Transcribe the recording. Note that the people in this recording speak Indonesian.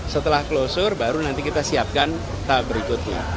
setelah klosure baru nanti kita siapkan tahap berikutnya